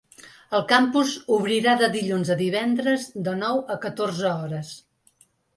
El campus obrirà de dilluns a divendres de nou a catorze hores.